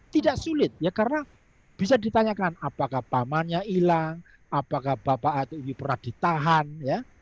tidak sulit ya karena bisa ditanyakan apakah pamannya hilang apakah bapak atau ibu pernah ditahan ya